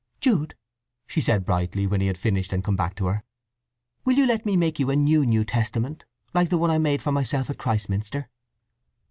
"Jude," she said brightly, when he had finished and come back to her; "will you let me make you a new New Testament, like the one I made for myself at Christminster?"